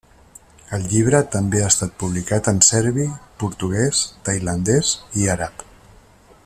El llibre també ha estat publicat en serbi, portuguès, tailandès i àrab.